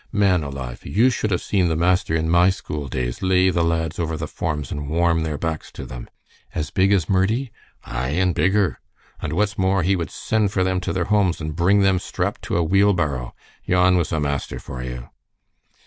Man alive! you should have seen the master in my school days lay the lads over the forms and warm their backs to them." "As big as Murdie?" "Ay, and bigger. And what's more, he would send for them to their homes, and bring them strapped to a wheel barrow. Yon was a master for you!"